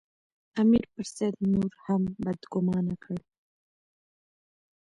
امیر پر سید نور هم بدګومانه کړ.